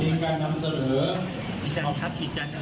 ในการทำเสนอ